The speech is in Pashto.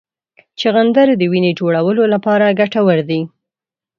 چغندر د وینې جوړولو لپاره ګټور دی.